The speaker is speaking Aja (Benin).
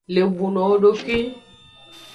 Lebuno wodokwi.